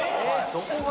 どこが？